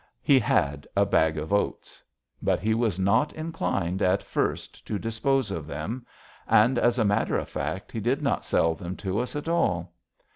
He had a bag of oats. But he was not inclined, at first, to dispose of them, and, as a matter of fact, he did not sell them to us at all.